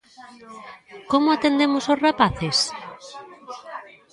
Como atendemos os rapaces?